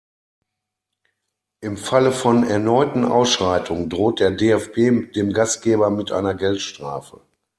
Im Falle von erneuten Ausschreitungen droht der DFB dem Gastgeber mit einer Geldstrafe.